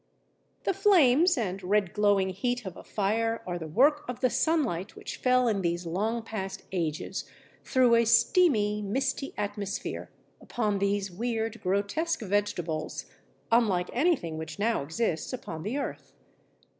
The flames and red glowing heat of a fire are the work of the sunlight which fell in these long past ages through a steamy, misty atmosphere, upon these weird, grotesque vegetables, unlike anything which now exists upon the earth.